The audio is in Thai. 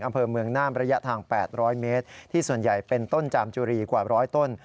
เป็นต้นจามจุรีกว่าร้อยต้น